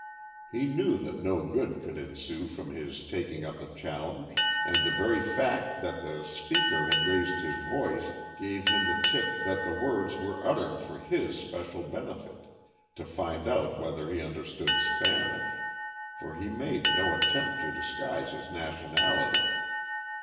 He knew that no good could ensue from his taking up the challenge, and the very fact that the speaker had raised his voice gave him the tip that the words were uttered for his especial benefit, to find out whether he understood Spanish for he made no attempt to disguise his nationality.